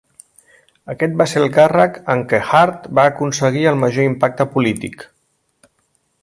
Aquest va ser el càrrec en què Hurd va aconseguir el major impacte polític.